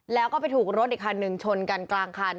แล้วก็ไปถูกรถอีกคันหนึ่งชนกันกลางคัน